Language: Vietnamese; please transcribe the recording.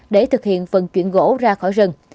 để thực hiện vận chuyển gỗ ra khỏi rừng